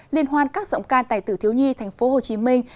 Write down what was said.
liên hoan các giọng ca tài tử thiếu nhi thành phố hồ chí minh